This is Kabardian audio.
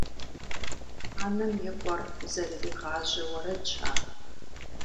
Анэм и къуэр зэрыригъажьэ уэрэдщ ар.